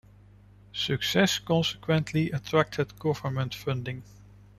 Success consequently attracted government funding.